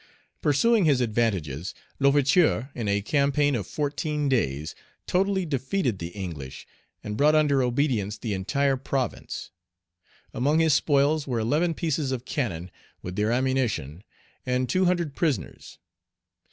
Pursuing his advantages, L'Ouverture, in a campaign of fourteen days, totally defeated the English, and brought under obedience the entire province. Among his spoils were eleven pieces of cannon, with their ammunition, and two hundred prisoners.